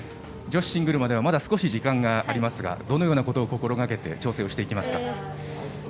女子シングルまではまだ少し時間がありますがどのようなことを心がけて調整をしていきますか？